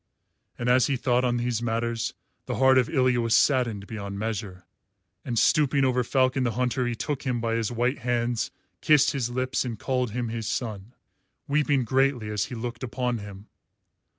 And as he thought on these matters, the heart of Ilya was saddened beyond measure, and stooping over Falcon the Hunter he took him by his white hands, kissed his lips and called him his son, weeping greatly as he looked upon him.